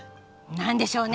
何でしょうね？